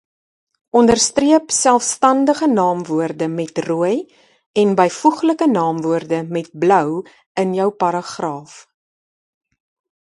Onderstreep selfstandige naamwoorde met rooi en byvoeglike naamwoorde met blou in jou paragraaf.